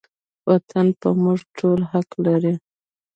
وطن په موږ ټولو حق لري